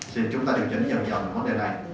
thì chúng ta điều chỉnh dần dần vấn đề này